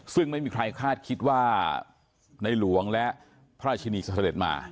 ซึ่งไม่มีใครคาดคิดว่าในหลวงและพระราชินีจะเสด็จมา